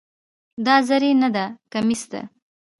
دا زری نده، کمیس ده.